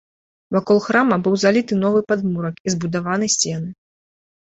Вакол храма быў заліты новы падмурак і збудаваны сцены.